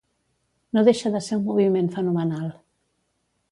No deixa de ser un moviment fenomenal.